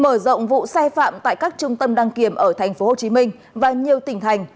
mở rộng vụ sai phạm tại các trung tâm đăng kiểm ở thành phố hồ chí minh và nhiều tỉnh thành